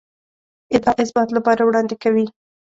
ادعا اثبات لپاره وړاندې کوي.